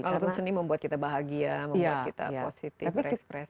walaupun seni membuat kita bahagia membuat kita positif berekspresi